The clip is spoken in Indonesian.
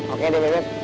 oke deh bebe